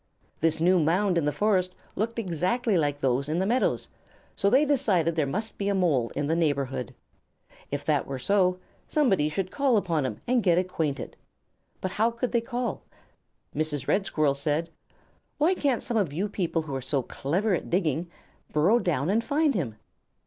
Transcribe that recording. This new mound in the forest looked exactly like those in the meadow, so they decided there must be a Mole in the neighborhood. If that were so, somebody should call upon him and get acquainted; but how could they call? Mrs. Red Squirrel said: "Why can't some of you people who are so clever at digging, burrow down and find him?"